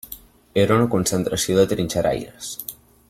Era una concentració de trinxeraires.